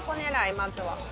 まずは。